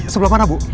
sebelah mana bu